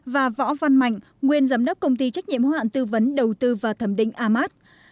và võ văn mạnh nguyên giám đốc công ty trách nhiệm hoạn tư vấn đầu tư và thẩm định amat